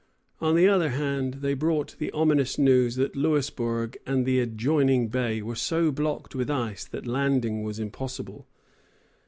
On the other hand, they brought the ominous news that Louisbourg and the adjoining bay were so blocked with ice that landing was impossible.